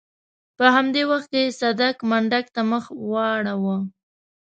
په همدې وخت کې صدک منډک ته مخ واړاوه.